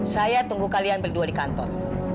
saya tunggu kalian berdua di kantor